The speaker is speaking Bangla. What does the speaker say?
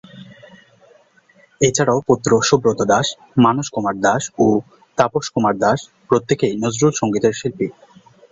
এছাড়াও পুত্র সুব্রত দাশ, মানস কুমার দাশ ও তাপস কুমার দাশ প্রত্যেকেই নজরুল সঙ্গীতের শিল্পী।